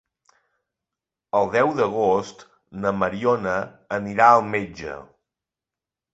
El deu d'agost na Mariona anirà al metge.